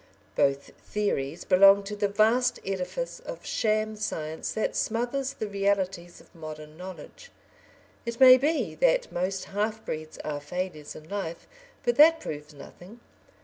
Both theories belong to the vast edifice of sham science that smothers the realities of modern knowledge. It may be that most "half breeds" are failures in life, but that proves nothing.